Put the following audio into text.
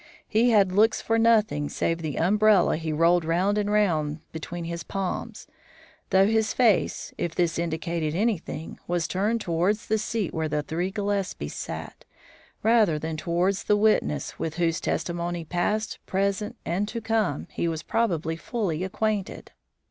He had looks for nothing save the umbrella he rolled round and round between his palms; though his face if this indicated anything was turned towards the seat where the three Gillespies sat, rather than towards the witness with whose testimony past, present, and to come he was probably fully acquainted.